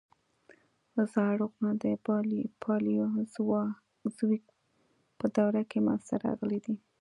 زاړه غرونه په پالیوزویک په دوره کې منځته راغلي دي.